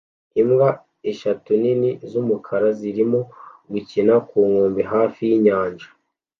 Imbwa eshatu nini z'umukara zirimo gukina ku nkombe hafi y'inyanja